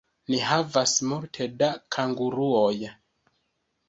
Ni havas multe da kanguruoj